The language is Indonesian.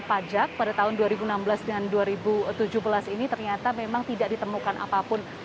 pajak pada tahun dua ribu enam belas dan dua ribu tujuh belas ini ternyata memang tidak ditemukan apapun